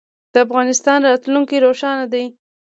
د افغانستان راتلونکی روښانه دی.